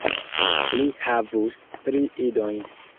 Li havus tri idojn.